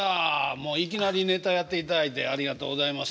もういきなりネタやっていただいてありがとうございます。